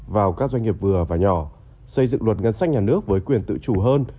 vào các doanh nghiệp vừa và nhỏ xây dựng luật ngân sách nhà nước với quyền tự chủ hơn